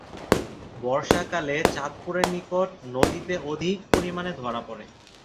বর্ষাকালে চাঁদপুরের নিকট নদীতে অধিক পরিমাণে ধরা পড়ে।